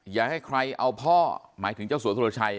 อย่าให้ใครเอาพ่อหมายถึงเจ้าสัวสุรชัย